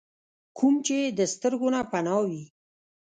کوم چې د سترګو نه پناه وي ۔